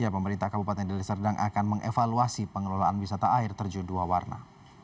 ya pemerintah kabupaten deliserdang akan mengevaluasi pengelolaan wisata air terjun dua warna